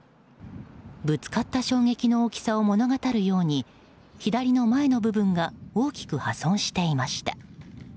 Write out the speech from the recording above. ぶつかった衝撃の大きさを物語るように左の前の部分が大きく破損していました。